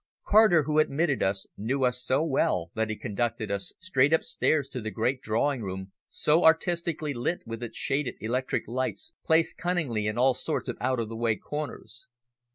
Carter, who admitted us, knew us so well that he conducted us straight upstairs to the great drawing room, so artistically lit with its shaded electric lights placed cunningly in all sorts of out of the way corners.